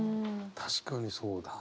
確かにそうだ。